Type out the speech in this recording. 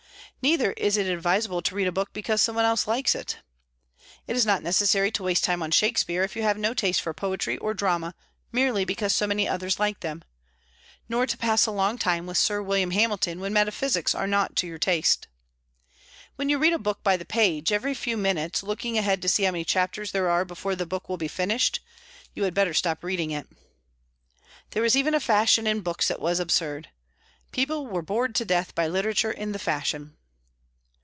Neither is it advisable to read a book because someone else likes it. It is not necessary to waste time on Shakespeare if you have no taste for poetry or drama merely because so many others like them; nor to pass a long time with Sir William Hamilton when metaphysics are not to your taste. When you read a book by the page, every few minutes looking ahead to see how many chapters there are before the book will be finished, you had better stop reading it. There was even a fashion in books that was absurd. People were bored to death by literature in the fashion.